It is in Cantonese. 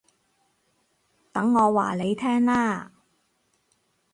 等我話你聽啦